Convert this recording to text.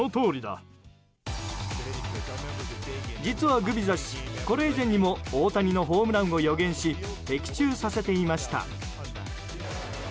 実はグビザ氏これ以前にも大谷のホームランを予言し的中させていました。